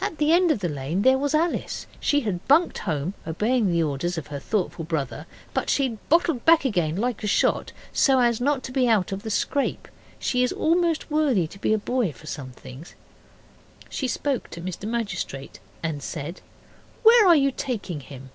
At the end of the lane there was Alice. She had bunked home, obeying the orders of her thoughtful brother, but she had bottled back again like a shot, so as not to be out of the scrape. She is almost worthy to be a boy for some things. She spoke to Mr Magistrate and said 'Where are you taking him?